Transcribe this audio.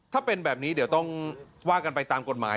ถ้าเป็นแบบนี้เดี๋ยวต้องว่ากันไปตามกฎหมาย